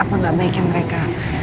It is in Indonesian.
apa gak baik ya mereka